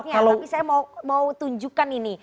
tapi saya mau tunjukkan ini